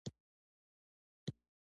تلتک په ژمي کي د يخ لپاره کارول کېږي.